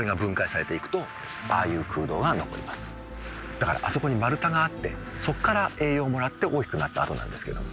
だからあそこに丸太があってそっから栄養もらって大きくなった跡なんですけども。